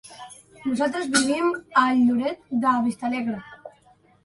Nosaltres vivim a Lloret de Vistalegre.